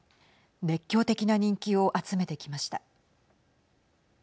熱狂的な人気を集めてきました。